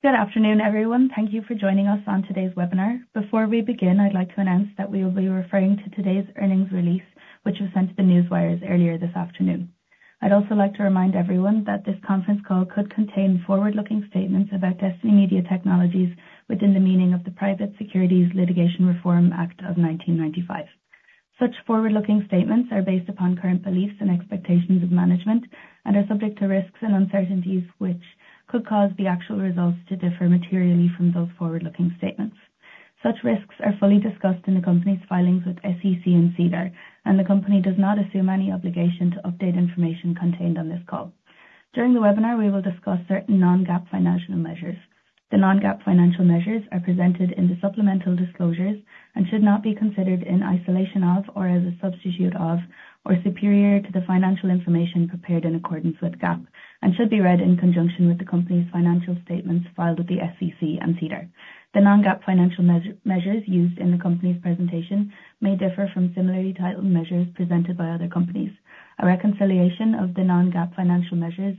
Good afternoon, everyone. Thank you for joining us on today's webinar. Before we begin, I'd like to announce that we will be referring to today's earnings release, which was sent to the newswires earlier this afternoon. I'd also like to remind everyone that this conference call could contain forward-looking statements about Destiny Media Technologies within the meaning of the Private Securities Litigation Reform Act of 1995. Such forward-looking statements are based upon current beliefs and expectations of management and are subject to risks and uncertainties, which could cause the actual results to differ materially from those forward-looking statements. Such risks are fully discussed in the company's filings with SEC and SEDAR, and the company does not assume any obligation to update information contained on this call. During the webinar, we will discuss certain non-GAAP financial measures. The non-GAAP financial measures are presented in the supplemental disclosures and should not be considered in isolation of, or as a substitute of, or superior to the financial information prepared in accordance with GAAP and should be read in conjunction with the company's financial statements filed with the SEC and SEDAR. The non-GAAP financial measures used in the company's presentation may differ from similarly titled measures presented by other companies. A reconciliation of the non-GAAP financial measures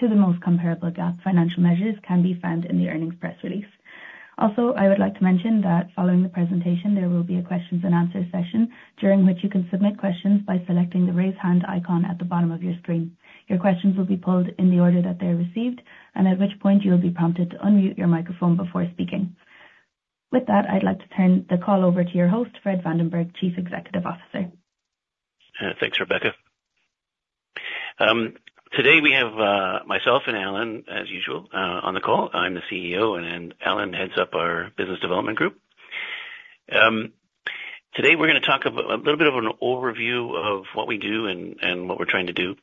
to the most comparable GAAP financial measures can be found in the earnings press release. Also, I would like to mention that following the presentation, there will be a questions and answer session, during which you can submit questions by selecting the Raise Hand icon at the bottom of your screen. Your questions will be pulled in the order that they are received, and at which point you will be prompted to unmute your microphone before speaking. With that, I'd like to turn the call over to your host, Fred Vandenberg, Chief Executive Officer. Thanks, Rebecca. Today, we have myself and Allan, as usual, on the call. I'm the CEO, and then Allan heads up our business development group. Today, we're gonna talk about a little bit of an overview of what we do and what we're trying to do.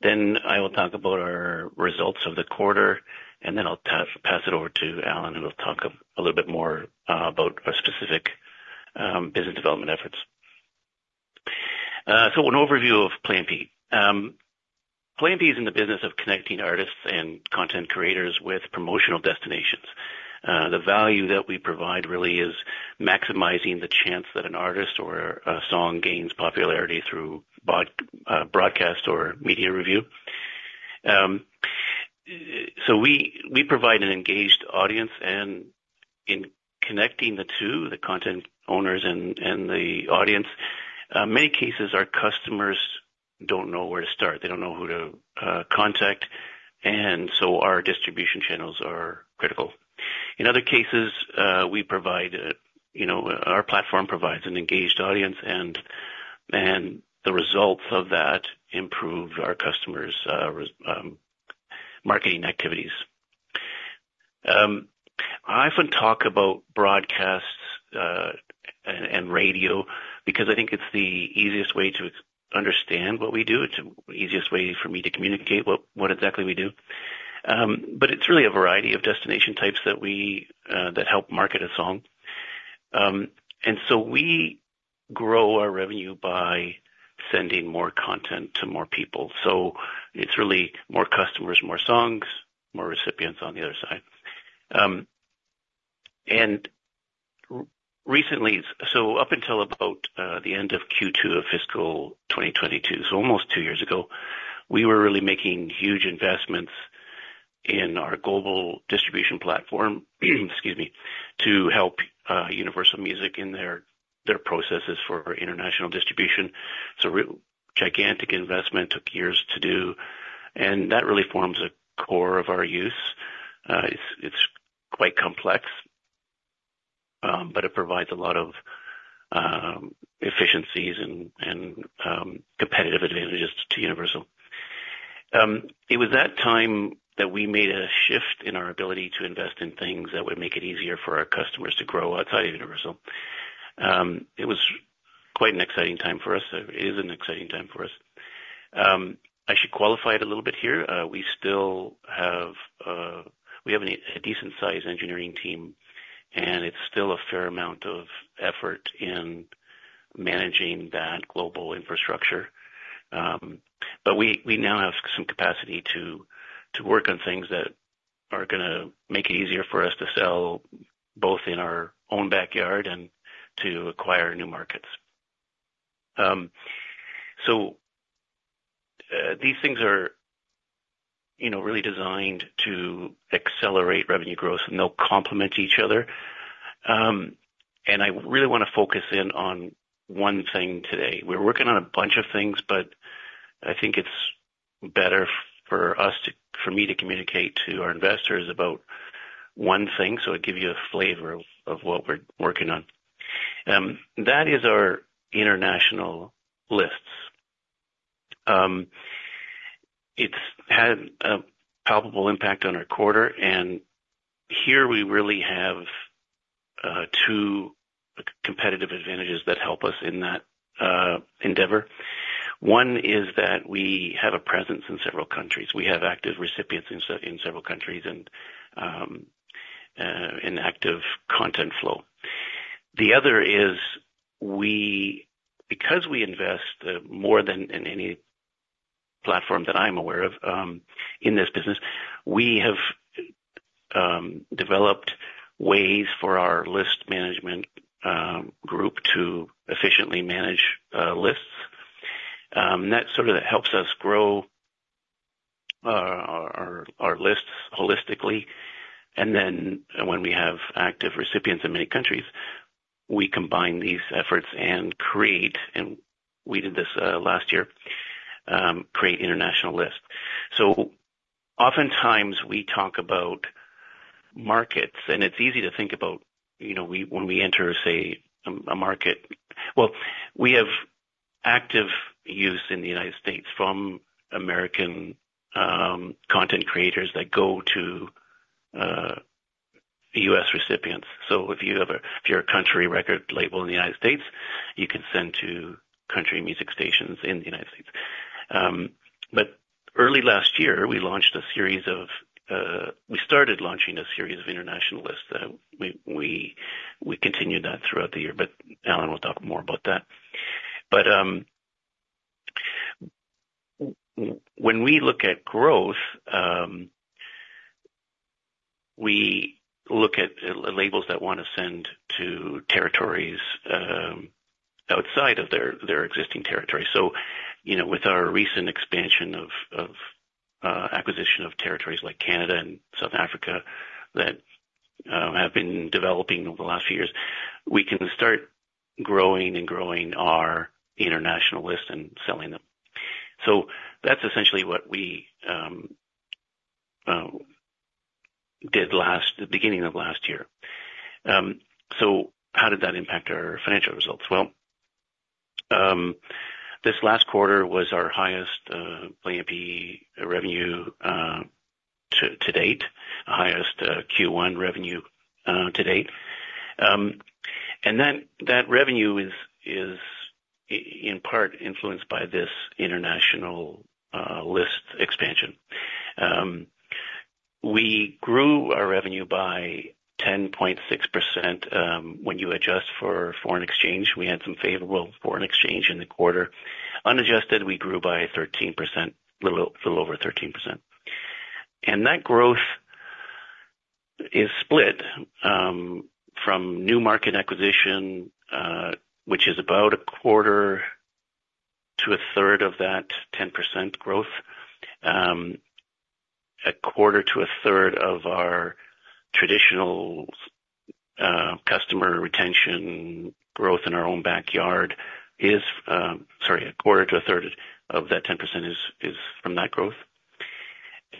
Then I will talk about our results of the quarter, and then I'll pass it over to Allan, who will talk a little bit more about our specific business development efforts. So an overview of Play MPE. Play MPE is in the business of connecting artists and content creators with promotional destinations. The value that we provide really is maximizing the chance that an artist or a song gains popularity through broadcast or media review. So we, we provide an engaged audience, and in connecting the two, the content owners and, and the audience, many cases our customers don't know where to start. They don't know who to, contact, and so our distribution channels are critical. In other cases, we provide, you know, our platform provides an engaged audience and, and the results of that improve our customers', marketing activities. I often talk about broadcasts, and, and radio because I think it's the easiest way to understand what we do. It's the easiest way for me to communicate what, what exactly we do. But it's really a variety of destination types that we, that help market a song. And so we grow our revenue by sending more content to more people. So it's really more customers, more songs, more recipients on the other side. And recently... So up until about the end of Q2 of fiscal 2022, so almost two years ago, we were really making huge investments in our global distribution platform, excuse me, to help Universal Music in their processes for international distribution. It's a real gigantic investment, took years to do, and that really forms a core of our use. It's quite complex, but it provides a lot of efficiencies and competitive advantages to Universal. It was that time that we made a shift in our ability to invest in things that would make it easier for our customers to grow outside of Universal. It was quite an exciting time for us. It is an exciting time for us. I should qualify it a little bit here. We still have a decent sized engineering team, and it's still a fair amount of effort in managing that global infrastructure. But we now have some capacity to work on things that are gonna make it easier for us to sell, both in our own backyard and to acquire new markets. So these things are, you know, really designed to accelerate revenue growth, and they'll complement each other. And I really wanna focus in on one thing today. We're working on a bunch of things, but I think it's better for us for me to communicate to our investors about one thing, so it'll give you a flavor of what we're working on. That is our international lists. It's had a palpable impact on our quarter, and here we really have two competitive advantages that help us in that endeavor. One is that we have a presence in several countries. We have active recipients in several countries and an active content flow. The other is because we invest more than in any platform that I'm aware of in this business, we have developed ways for our list management group to efficiently manage lists. That sort of helps us grow our lists holistically. And then when we have active recipients in many countries, we combine these efforts and create international lists. And we did this last year. So oftentimes we talk about markets, and it's easy to think about, you know, when we enter, say, a market. Well, we have active use in the United States from American content creators that go to U.S. recipients. So if you're a country record label in the United States, you can send to country music stations in the United States. But early last year, we started launching a series of international lists that we continued throughout the year, but Allan will talk more about that. But when we look at growth, we look at labels that want to send to territories outside of their existing territory. So, you know, with our recent expansion of acquisition of territories like Canada and South Africa that have been developing over the last few years, we can start growing and growing our international lists and selling them. So that's essentially what we did at the beginning of last year. So how did that impact our financial results? Well, this last quarter was our highest Play MPE revenue to date, the highest Q1 revenue to date. And that revenue is in part influenced by this international list expansion. We grew our revenue by 10.6%. When you adjust for foreign exchange, we had some favorable foreign exchange in the quarter. Unadjusted, we grew by 13%, a little over 13%. And that growth is split from new market acquisition, which is about a quarter to a third of that 10% growth. A quarter to a third of our traditional customer retention growth in our own backyard is, sorry, a quarter to a third of that 10% is from that growth.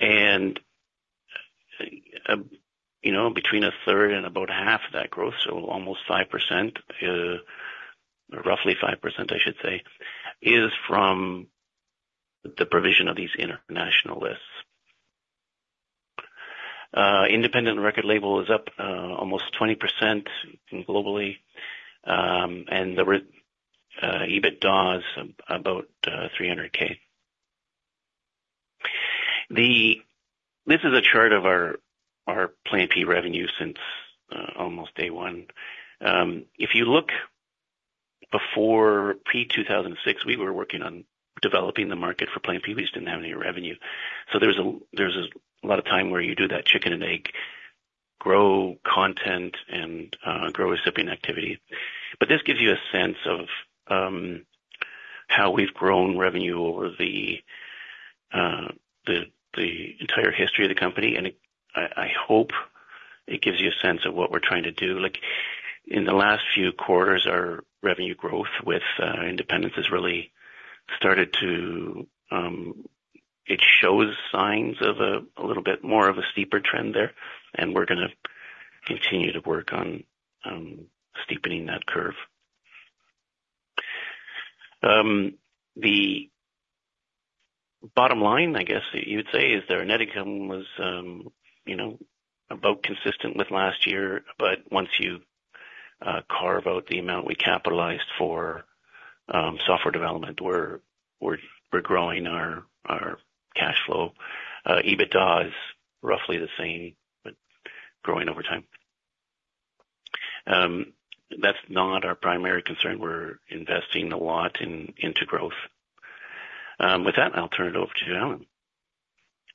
And you know, between a third and about half of that growth, so almost 5%, roughly 5% I should say, is from the provision of these international lists. Independent record label is up almost 20% globally. And there were EBITDA's about $300,000. This is a chart of our Play MPE revenue since almost day one. If you look before pre-2006, we were working on developing the market for Play MPE. We just didn't have any revenue. So there's a lot of time where you do that chicken and egg, grow content and grow recipient activity. But this gives you a sense of how we've grown revenue over the the entire history of the company, and it- I hope it gives you a sense of what we're trying to do. Like, in the last few quarters, our revenue growth with independents has really started to it shows signs of a little bit more of a steeper trend there, and we're gonna continue to work on steepening that curve. The bottom line, I guess you'd say, is their net income was you know, about consistent with last year, but once you carve out the amount we capitalized for software development, we're growing our cash flow. EBITDA is roughly the same, but growing over time. That's not our primary concern. We're investing a lot into growth. With that, I'll turn it over to Allan.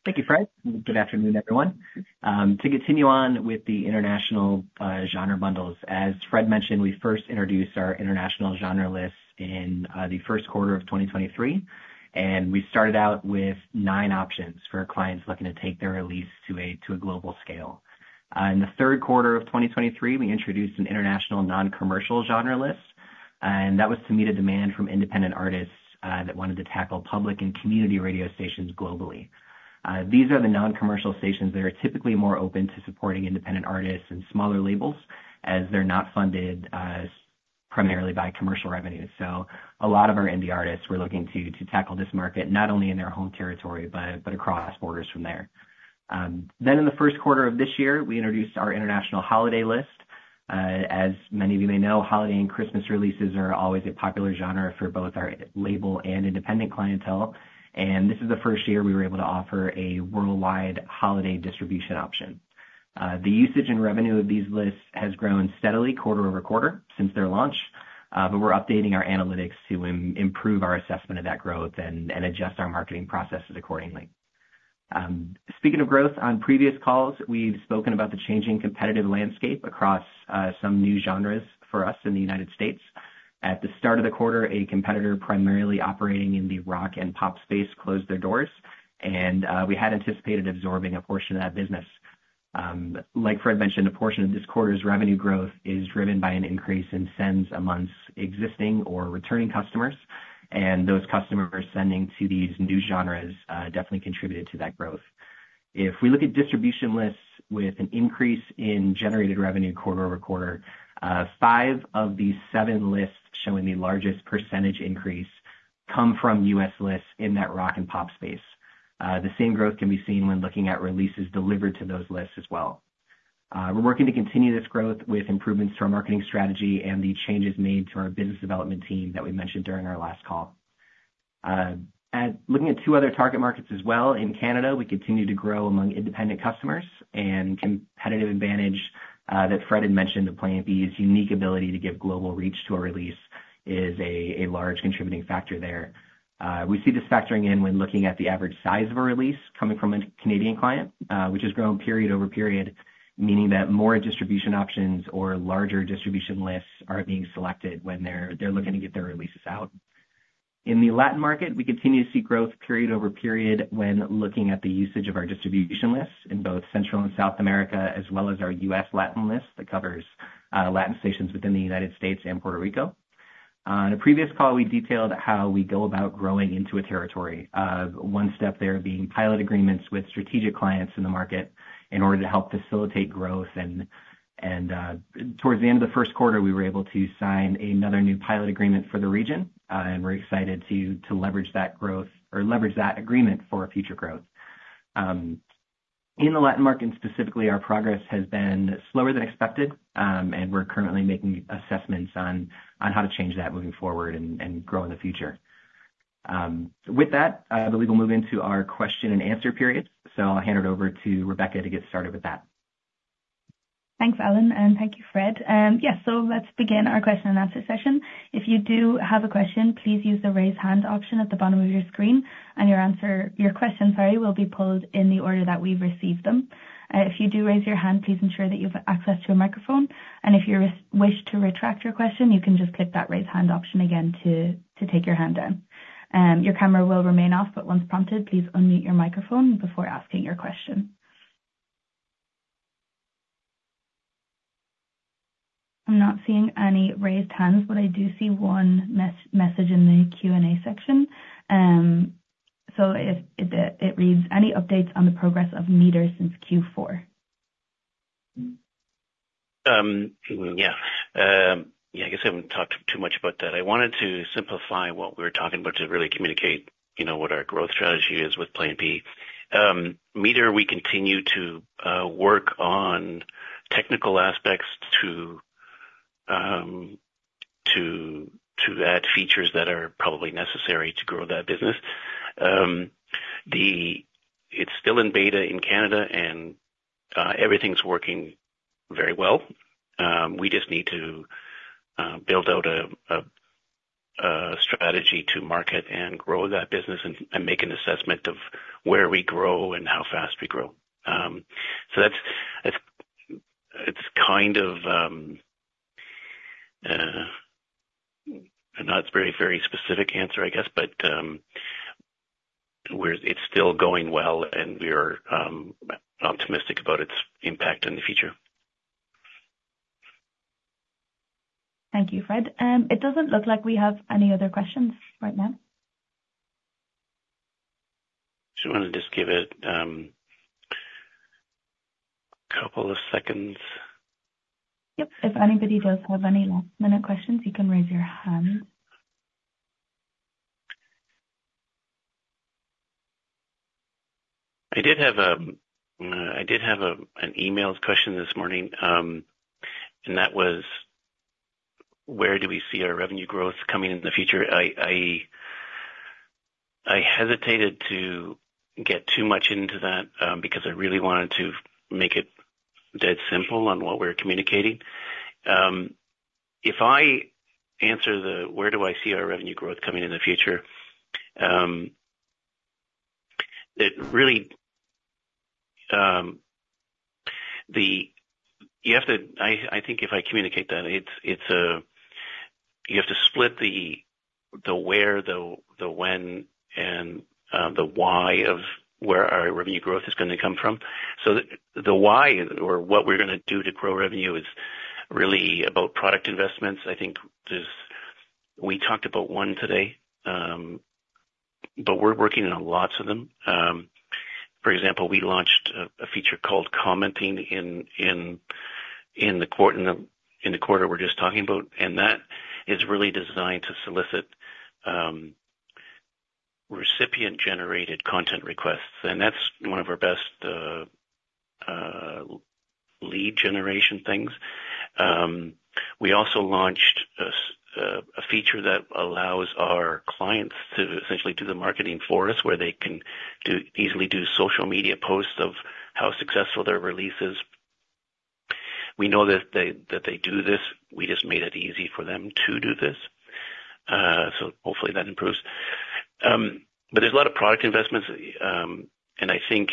Thank you, Fred. Good afternoon, everyone. To continue on with the international genre bundles, as Fred mentioned, we first introduced our international genre lists in the first quarter of 2023, and we started out with 9 options for clients looking to take their release to a global scale. In the third quarter of 2023, we introduced an international non-commercial genre list, and that was to meet a demand from independent artists that wanted to tackle public and community radio stations globally. These are the non-commercial stations that are typically more open to supporting independent artists and smaller labels, as they're not funded primarily by commercial revenue. So a lot of our indie artists were looking to tackle this market, not only in their home territory, but across borders from there. Then in the first quarter of this year, we introduced our international holiday list. As many of you may know, holiday and Christmas releases are always a popular genre for both our label and independent clientele, and this is the first year we were able to offer a worldwide holiday distribution option. The usage and revenue of these lists has grown steadily quarter-over-quarter since their launch. But we're updating our analytics to improve our assessment of that growth and adjust our marketing processes accordingly. Speaking of growth, on previous calls, we've spoken about the changing competitive landscape across some new genres for us in the United States. At the start of the quarter, a competitor primarily operating in the rock and pop space closed their doors, and we had anticipated absorbing a portion of that business. Like Fred mentioned, a portion of this quarter's revenue growth is driven by an increase in sends amongst existing or returning customers, and those customers sending to these new genres definitely contributed to that growth. If we look at distribution lists with an increase in generated revenue quarter-over-quarter, five of the seven lists showing the largest percentage increase come from U.S. lists in that rock and pop space. The same growth can be seen when looking at releases delivered to those lists as well. We're working to continue this growth with improvements to our marketing strategy and the changes made to our business development team that we mentioned during our last call. And looking at two other target markets as well, in Canada, we continue to grow among independent customers and competitive advantage that Fred had mentioned, the Play MPE's unique ability to give global reach to a release is a large contributing factor there. We see this factoring in when looking at the average size of a release coming from a Canadian client, which has grown period over period, meaning that more distribution options or larger distribution lists are being selected when they're looking to get their releases out. In the Latin market, we continue to see growth period over period, when looking at the usage of our distribution lists in both Central and South America, as well as our U.S. Latin list that covers Latin stations within the United States and Puerto Rico. In a previous call, we detailed how we go about growing into a territory, one step there being pilot agreements with strategic clients in the market in order to help facilitate growth, and towards the end of the first quarter, we were able to sign another new pilot agreement for the region. We're excited to leverage that growth or leverage that agreement for future growth. In the Latin market, specifically, our progress has been slower than expected, and we're currently making assessments on how to change that moving forward and grow in the future. With that, I believe we'll move into our question and answer period. I'll hand it over to Rebecca to get started with that. Thanks, Allan, and thank you, Fred. Yes, so let's begin our question and answer session. If you do have a question, please use the raise hand option at the bottom of your screen. Your question, sorry, will be pulled in the order that we've received them. If you do raise your hand, please ensure that you have access to a microphone, and if you wish to retract your question, you can just click that raise hand option again to take your hand down. Your camera will remain off, but once prompted, please unmute your microphone before asking your question. I'm not seeing any raised hands, but I do see one message in the Q&A section. It reads, "Any updates on the progress of MTR since Q4? Yeah. Yeah, I guess I haven't talked too much about that. I wanted to simplify what we were talking about to really communicate, you know, what our growth strategy is with Play MPE. Meter, we continue to work on technical aspects to add features that are probably necessary to grow that business. It's still in beta in Canada and everything's working very well. We just need to build out a strategy to market and grow that business and make an assessment of where we grow and how fast we grow. So that's kind of not a very specific answer, I guess, but where it's still going well, and we are optimistic about its impact in the future. Thank you, Fred. It doesn't look like we have any other questions right now. So I'm gonna just give it a couple of seconds. Yep. If anybody does have any last-minute questions, you can raise your hand. I did have an email question this morning, and that was: Where do we see our revenue growth coming in the future? I hesitated to get too much into that, because I really wanted to make it dead simple on what we're communicating. If I answer where do I see our revenue growth coming in the future, it really... You have to. I think if I communicate that it's a, you have to split the where, the when, and the why of where our revenue growth is gonna come from. So the why or what we're gonna do to grow revenue is really about product investments. I think there's. We talked about one today, but we're working on lots of them. For example, we launched a feature called Commenting in the quarter we're just talking about, and that is really designed to solicit recipient-generated content requests, and that's one of our best lead generation things. We also launched a feature that allows our clients to essentially do the marketing for us, where they can easily do social media posts of how successful their release is. We know that they do this. We just made it easy for them to do this. So hopefully that improves. But there's a lot of product investments. And I think,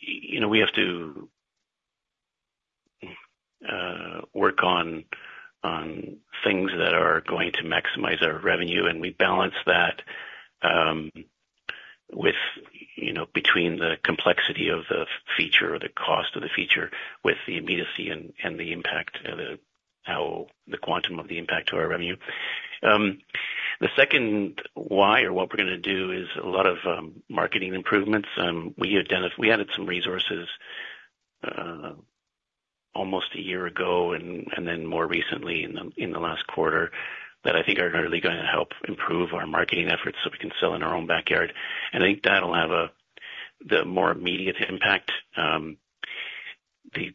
you know, we have to work on things that are going to maximize our revenue, and we balance that with, you know, between the complexity of the feature or the cost of the feature with the immediacy and the impact and the how the quantum of the impact to our revenue. The second why or what we're gonna do is a lot of marketing improvements. We added some resources almost a year ago, and then more recently in the last quarter, that I think are really gonna help improve our marketing efforts so we can sell in our own backyard. And I think that'll have a, the more immediate impact.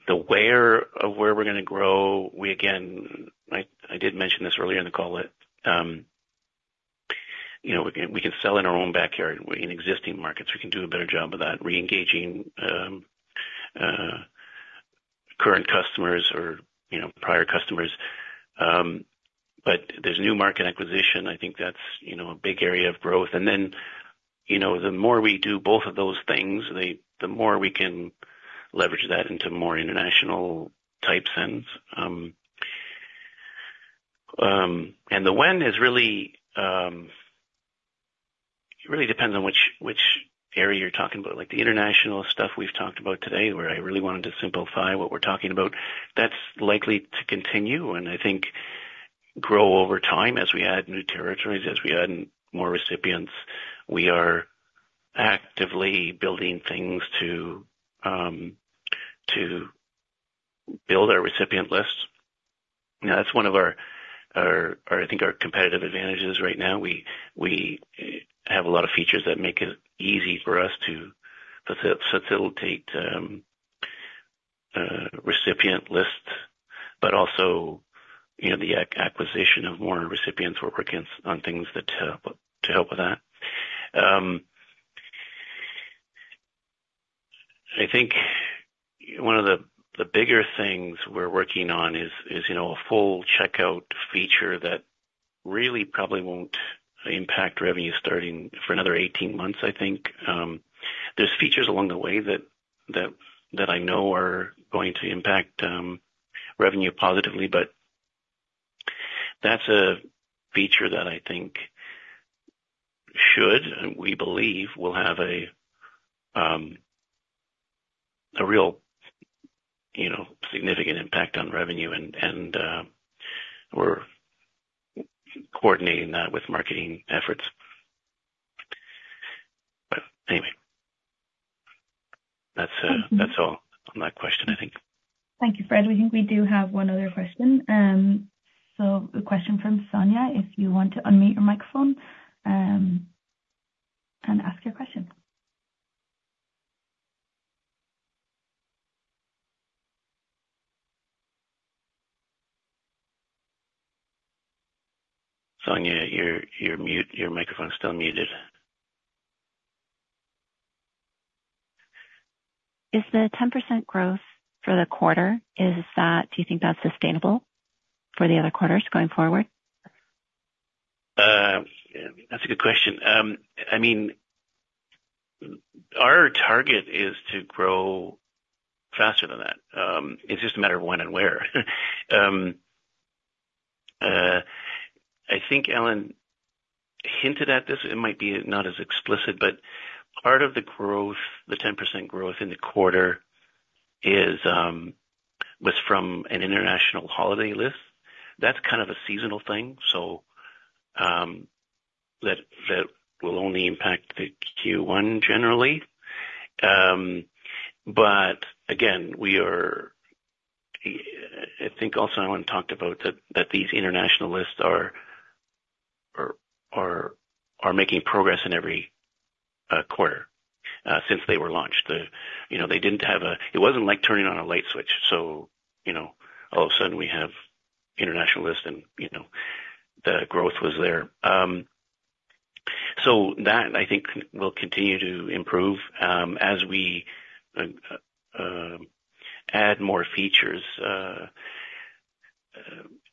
The where we're gonna grow, we again, I did mention this earlier in the call that, you know, we can sell in our own backyard, in existing markets. We can do a better job of that, re-engaging current customers or, you know, prior customers. But there's new market acquisition. I think that's, you know, a big area of growth. And then, you know, the more we do both of those things, the more we can leverage that into more international types. And the when is really, it really depends on which area you're talking about, like the international stuff we've talked about today, where I really wanted to simplify what we're talking about. That's likely to continue and I think grow over time as we add new territories, as we add more recipients. We are actively building things to build our recipient lists. You know, that's one of our, I think, our competitive advantages right now. We have a lot of features that make it easy for us to facilitate recipient lists, but also, you know, the acquisition of more recipients. We're working on things to help with that. I think one of the bigger things we're working on is, you know, a full checkout feature that really probably won't impact revenue starting for another 18 months, I think. There's features along the way that I know are going to impact revenue positively, but that's a feature that I think should, and we believe will have a real, you know, significant impact on revenue, and we're coordinating that with marketing efforts. But anyway, that's, that's all on that question, I think. Thank you, Fred. We think we do have one other question. So a question from Sonia, if you want to unmute your microphone, and ask your question. Sonia, you're, you're mute. Your microphone is still muted. Is the 10% growth for the quarter, is that- do you think that's sustainable for the other quarters going forward? That's a good question. I mean, our target is to grow faster than that. It's just a matter of when and where. I think Allan hinted at this. It might be not as explicit, but part of the growth, the 10% growth in the quarter is, was from an international holiday list. That's kind of a seasonal thing, so, that will only impact the Q1 generally. But again, we are... I think also Allan talked about that, that these international lists are making progress in every quarter since they were launched. You know, they didn't have a-- It wasn't like turning on a light switch, so, you know, all of a sudden we have international lists and, you know, the growth was there. So that I think will continue to improve, as we add more features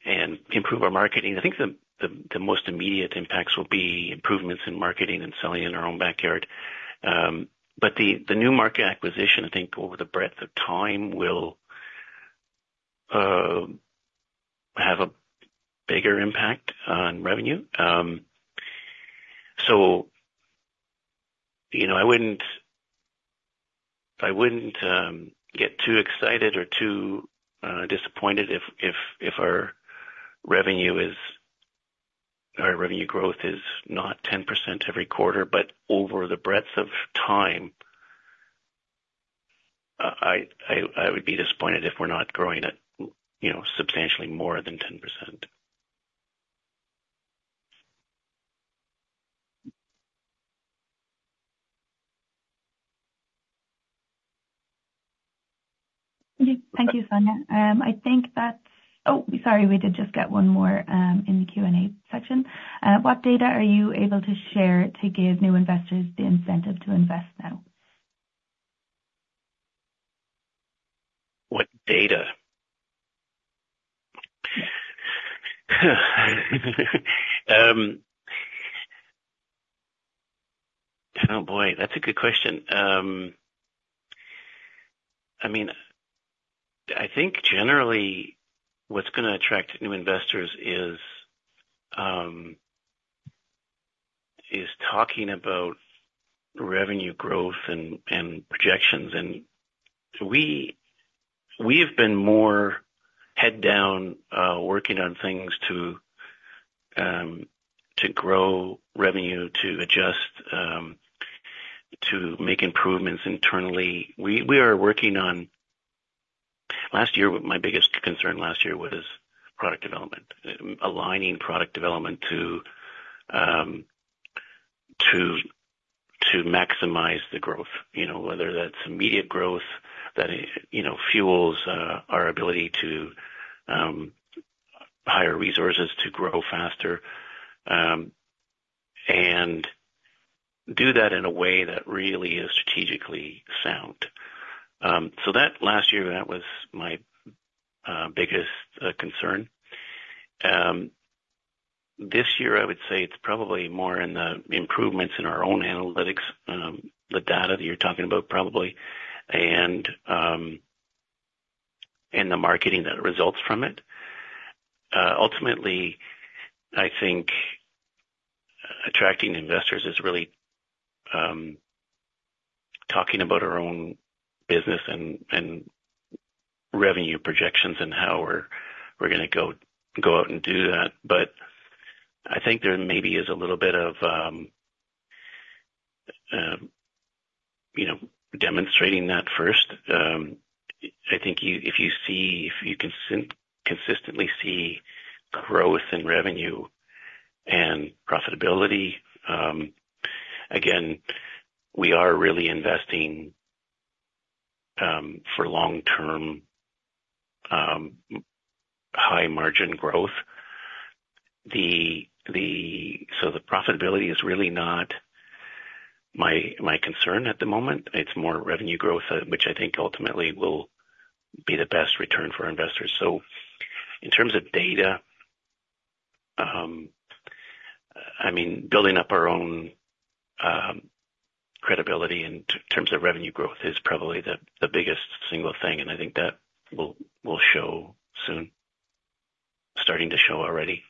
and improve our marketing. I think the most immediate impacts will be improvements in marketing and selling in our own backyard. But the new market acquisition, I think over the breadth of time, will have a bigger impact on revenue. So, you know, I wouldn't get too excited or too disappointed if our revenue growth is not 10% every quarter, but over the breadth of time, I would be disappointed if we're not growing at, you know, substantially more than 10%. Thank you, Sonia. I think that's... Oh, sorry, we did just get one more in the Q&A section. What data are you able to share to give new investors the incentive to invest now?... Oh, boy, that's a good question. I mean, I think generally what's gonna attract new investors is talking about revenue growth and projections. We've been more head down working on things to grow revenue, to adjust, to make improvements internally. We are working on... Last year, my biggest concern was product development. Aligning product development to maximize the growth, you know, whether that's immediate growth that fuels our ability to hire resources to grow faster and do that in a way that really is strategically sound. So that last year, that was my biggest concern. This year I would say it's probably more in the improvements in our own analytics, the data that you're talking about probably, and the marketing that results from it. Ultimately, I think attracting investors is really talking about our own business and revenue projections and how we're gonna go out and do that. But I think there maybe is a little bit of you know, demonstrating that first. I think you, if you consistently see growth in revenue and profitability, again, we are really investing for long-term high margin growth. So the profitability is really not my concern at the moment. It's more revenue growth, which I think ultimately will be the best return for investors. So in terms of data, I mean, building up our own credibility in terms of revenue growth is probably the biggest single thing, and I think that will show soon. Starting to show already.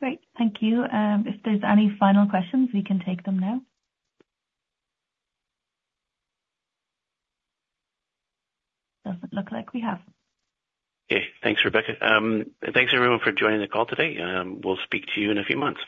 Great. Thank you. If there's any final questions, we can take them now. Doesn't look like we have them. Okay. Thanks, Rebecca. Thanks, everyone, for joining the call today. We'll speak to you in a few months.